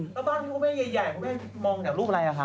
แล้วบ้านพี่ป่ะแม่ใหญ่มองยากลูกอะไรคะ